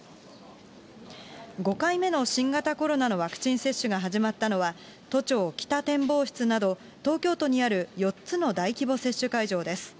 ５回目の新型コロナのワクチン接種が始まったのは、都庁北展望室など、東京都にある４つの大規模接種会場です。